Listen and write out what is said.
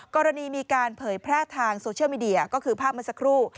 กรณีมีการเผยแพร่ทางโซเชียลมีเดียก็คือภาพเมื่อสักครู่